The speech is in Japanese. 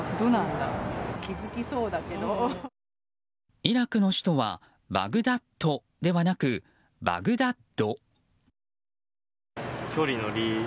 イラクの首都はバグダットではなく、バグダッド。